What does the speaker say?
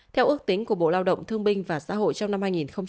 theo ước tính của bộ lao động thương binh và xã hội trong năm hai nghìn hai mươi